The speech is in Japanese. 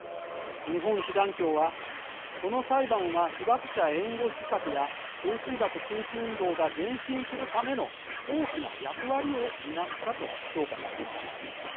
日本被団協はこの裁判は被爆者援護施策や原水爆禁止運動が前進するための大きな役割を担ったと評価しています。